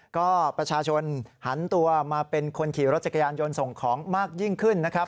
ก็ประชาชนหันตัวมาเป็นคนขี่รถจักรยานยนต์ส่งของมากยิ่งขึ้นนะครับ